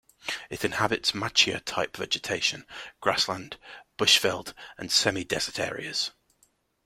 It inhabits macchia-type vegetation, grassland, bushveld, and semi-desert areas.